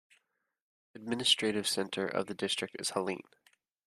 Administrative center of the district is Hallein.